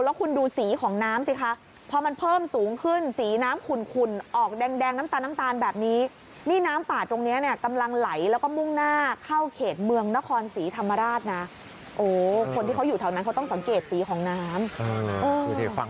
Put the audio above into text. และคุณดูสีของน้ำสิคะ